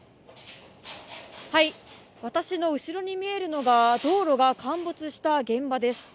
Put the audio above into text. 私の後ろに見えるのが道路が陥没した現場です